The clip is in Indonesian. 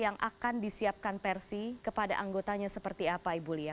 yang akan disiapkan persi kepada anggotanya seperti apa ibu lia